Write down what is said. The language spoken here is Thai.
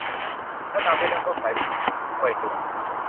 แล้วตามด้วยน้ำส้มสายชูอีกหนึ่งถ้วยตวง